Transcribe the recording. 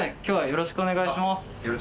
よろしくお願いします。